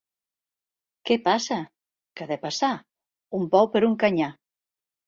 Què passa? —Què ha de passar? Un bou per un canyar!